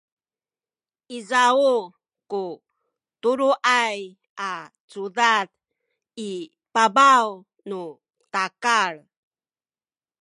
izaw ku tuluay a cudad i pabaw nu takal